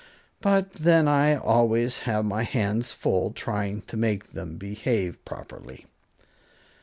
But then I always have my hands full trying to make them behave properly."